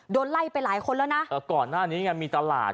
โดนไล่ไปหลายคนแล้วนะเออก่อนหน้านี้ไงมีตลาด